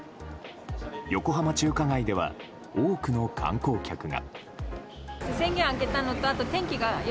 横浜中華街では多くの観光客が。